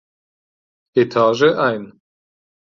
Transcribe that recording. Etage ein.